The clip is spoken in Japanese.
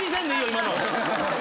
今の。